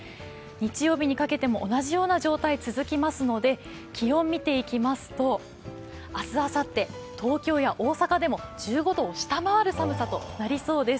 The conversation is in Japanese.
日曜日にかけても同じような状態、続きますので気温を見ていきますと、明日、あさって、東京や大阪でも１５度を下回る寒さとなりそうです。